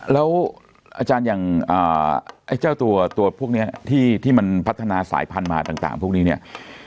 แล้วอาจารย์อย่างไอ้เจ้าตัวพวกนี้ที่มันพัฒนาสายพันธุ์มาต่างพวกนี้เนี่ย